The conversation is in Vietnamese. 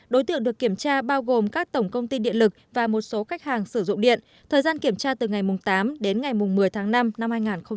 đối tượng được kiểm tra bao gồm các tổng công ty điện lực và một số khách hàng sử dụng điện thời gian kiểm tra từ ngày tám đến ngày một mươi tháng năm năm hai nghìn hai mươi